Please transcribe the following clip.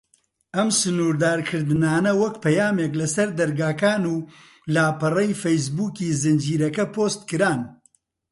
ئەم سنوردارکردنانە وەک پەیامێک لە سەر دەرگاکان و لاپەڕەی فەیس بووکی زنجیرەکە پۆست کران.